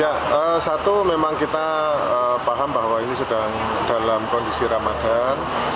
ya satu memang kita paham bahwa ini sedang dalam kondisi ramadan